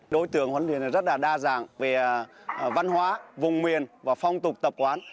đối tượng huấn luyện rất là đa dạng về văn hóa vùng miền và phong tục tập quán